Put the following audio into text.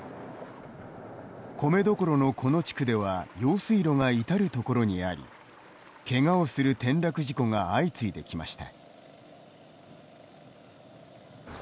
米どころのこの地区では用水路が至る所にありけがをする転落事故が相次いできました。